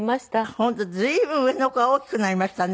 本当随分上の子は大きくなりましたね。